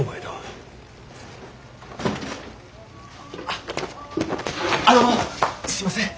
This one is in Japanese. あっあのすいません。